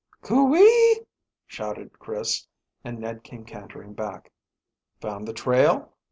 "Coo ee!" shouted Chris, and Ned came cantering back. "Found the trail?"